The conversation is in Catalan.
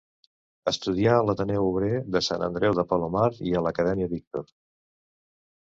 Estudià a l'Ateneu Obrer de Sant Andreu de Palomar i a l'Acadèmia Víctor.